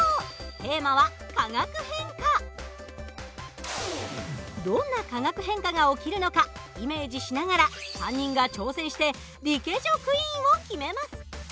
テーマはどんな化学変化が起きるのかイメージしながら３人が挑戦してリケジョクイーンを決めます。